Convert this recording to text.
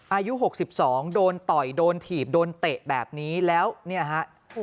อายุ๖๒โดนต่อยโดนถีบโดนเตะแบบนี้แล้วเนี่ยฮะ